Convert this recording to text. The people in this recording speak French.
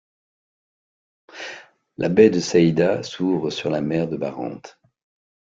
La baie de Saïda s'ouvre sur la mer de Barents.